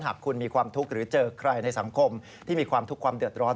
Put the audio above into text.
หากคุณมีความทุกข์หรือเจอใครในสังคมที่มีความทุกข์ความเดือดร้อน